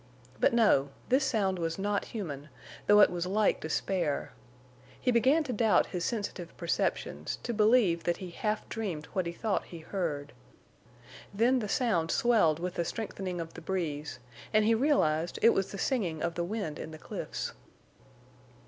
But no! This sound was not human, though it was like despair. He began to doubt his sensitive perceptions, to believe that he half dreamed what he thought he heard. Then the sound swelled with the strengthening of the breeze, and he realized it was the singing of the wind in the cliffs.